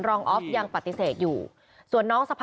รวมถึงเมื่อวานี้ที่บิ๊กโจ๊กพาไปคุยกับแอมท์ท่านสถานหญิงกลาง